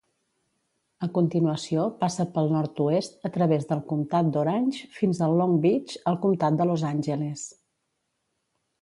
A continuació passa pel nord-oest a través del comtat d'Orange, fins a Long Beach, al comtat de Los Angeles.